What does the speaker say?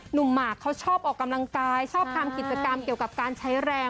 หมากเขาชอบออกกำลังกายชอบทำกิจกรรมเกี่ยวกับการใช้แรง